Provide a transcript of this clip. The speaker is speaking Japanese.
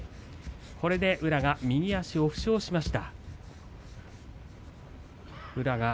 これで宇良が右足を負傷しました。